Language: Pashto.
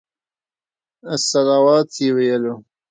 الصلواة یې ویلو.